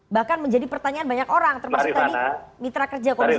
bahkan menjadi pertanyaan banyak orang termasuk tadi mitra kerja komisi tiga